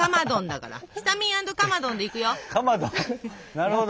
なるほど。